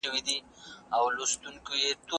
تطبیق د قوانینو په عملي کیدو پوري اړه لري.